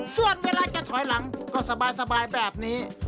ส่วนเวลาจะถอยหลังก็สบายแบบนี้